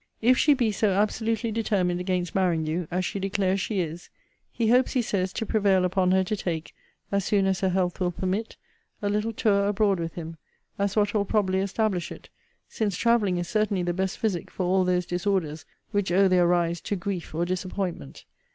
'If she be so absolutely determined against marrying you, as she declares she is, he hopes, he says, to prevail upon her to take (as soon as her health will permit) a little tour abroad with him, as what will probably establish it; since traveling is certainly the best physic for all those disorders which owe their rise to grief or disappointment.